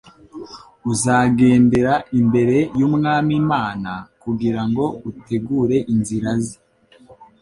«uzagendera imbere y'Umwami Imana, kugira ngo ategure inzira ze. »